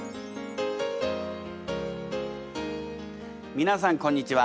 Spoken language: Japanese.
皆さんこんにちは。